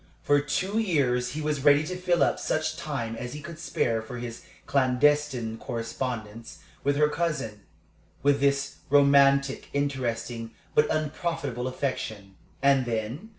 For two years he was ready to fill up such time as he could spare from his clandestine correspondence with her cousin, with this romantic, interesting, but unprofitable affection. And then?